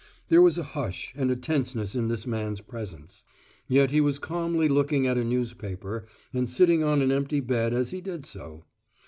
There was a hush and a tenseness in this man's presence. Yet he was calmly looking at a newspaper, and sitting on an empty bed as he did so!